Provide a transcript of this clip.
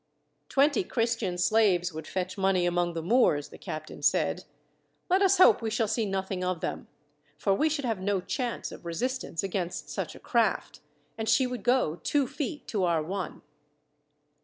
"Twenty Christian slaves would fetch money among the Moors," the captain said. "Let us hope we shall see nothing of them; for we should have no chance of resistance against such a craft, and she would go two feet to our one."